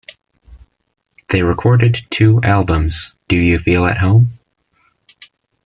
They recorded two albums, Do You Feel at Home?